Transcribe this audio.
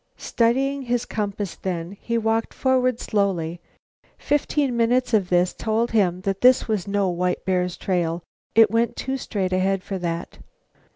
Studying his compass then, he walked forward slowly. Fifteen minutes of this told him that this was no white bear's trail. It went too straight ahead for that.